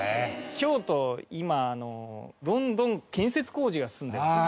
京都は今どんどん建設工事が進んでます。